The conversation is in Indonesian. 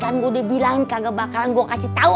kan gua udah bilang kagak bakalan gua kasih tau